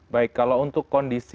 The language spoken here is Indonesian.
baik kalau untuk kondisi